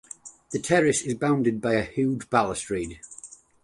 The terrace is bounded by a high balustrade.